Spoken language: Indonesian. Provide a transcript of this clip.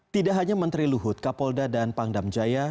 tidak hanya menteri luhut kapolda dan pangdam jaya